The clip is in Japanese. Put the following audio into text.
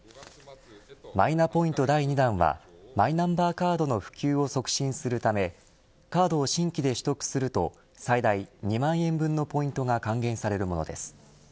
マイナポイント第２弾はマイナンバーカードの普及を促進するためカードを新規で取得すると最大２万円分のポイントが還元されるものです。